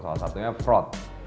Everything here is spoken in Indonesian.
salah satunya fraud